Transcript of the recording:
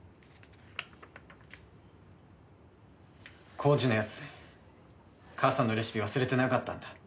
耕治のやつ母さんのレシピ忘れてなかったんだ。